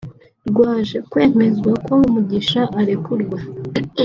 rwaje kwemeza ko Mugisha arekurwa